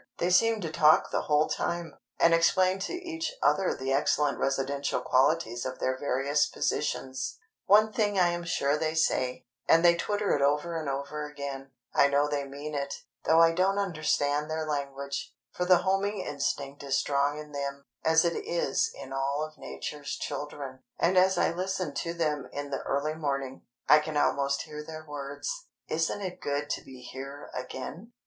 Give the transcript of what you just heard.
They seem to talk the whole time, and explain to each other the excellent residential qualities of their various positions. One thing I am sure they say—and they twitter it over and over again—I know they mean it, though I don't understand their language; for the homing instinct is strong in them, as it is in all of Nature's children; and as I listen to them in the early morning, I can almost hear their words, "Isn't it good to be here again?"